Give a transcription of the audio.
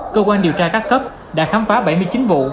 cơ quan điều tra các cấp đã khám phá bảy mươi chín vụ